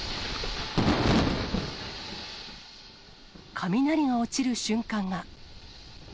雷が落ちる瞬間が。